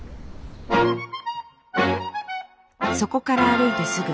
そこから歩いてすぐ。